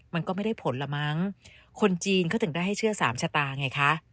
มันก็ไม่ได้ผลละมั้งคนจีนเขาถึงได้ให้เชื่อสามชะตาไงคะ